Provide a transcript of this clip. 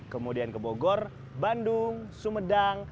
kemudian ke bogor bandung sumedang